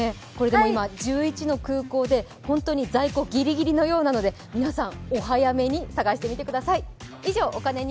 でも１１の空港で在庫ギリギリのようなので皆さん、お早めに探してみてください。